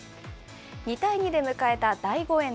２対２で迎えた第５エンド。